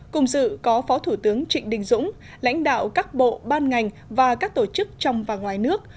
cùng dự có phó thủ tướng trịnh đình dũng lãnh đạo các bộ ban ngành và các tổ chức trong và ngoài nước